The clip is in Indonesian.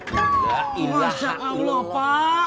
masya allah pak